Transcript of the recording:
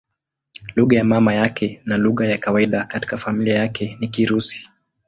Lugha ya mama yake na lugha ya kawaida katika familia yake ni Kirusi.